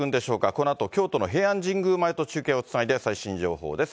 このあと京都の平安神宮前と中継をつないで、最新情報です。